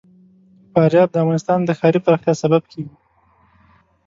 فاریاب د افغانستان د ښاري پراختیا سبب کېږي.